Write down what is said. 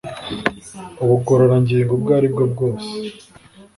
Ubugororangingo ubwo ari bwo bwose